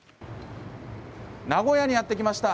名古屋にやって来ました。